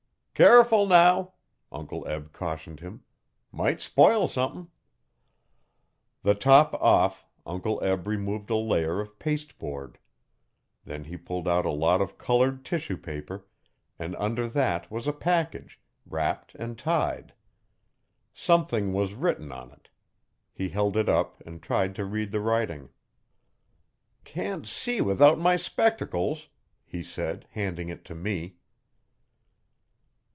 'Careful, now!' Uncle Eb cautioned him. 'Might spile sumthin'.' The top off, Uncle Eb removed a layer of pasteboard. Then he pulled out a lot of coloured tissue paper, and under that was a package, wrapped and tied. Something was written on it. He held it up and tried to read the writing. 'Can't see without my spectacles,' he said, handing it to me.